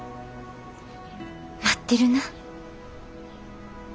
待ってるな。